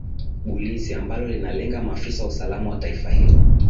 bulizi ambalo linalenga maafisa wa usalama wa taifa hilo